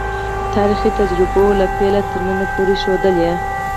تاریخي تجربو له پیله تر ننه پورې ښودلې.